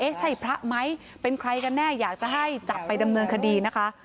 ใช่พระไหมเป็นใครกันแน่อยากจะให้จับไปดำเนินคดีนะคะ